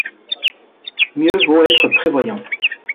Mieux vaut être prévoyant.